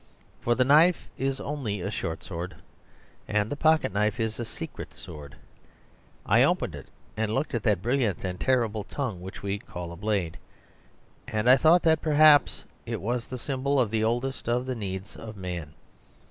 For the knife is only a short sword; and the pocket knife is a secret sword. I opened it and looked at that brilliant and terrible tongue which we call a blade; and I thought that perhaps it was the symbol of the oldest of the needs of man.